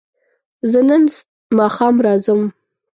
زه نن ماښام راځم